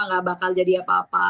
gak bakal jadi apa apa